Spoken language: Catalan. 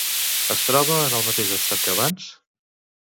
Es troba en el mateix estat que abans?